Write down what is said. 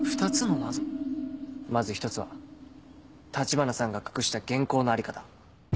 まず１つは橘さんが隠した原稿の在りかだ。